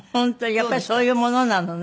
やっぱりそういうものなのね。